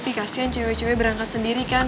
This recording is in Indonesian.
fi kasihan cewek cewek berangkat sendiri kan